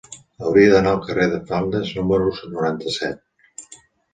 Hauria d'anar al carrer de Flandes número noranta-set.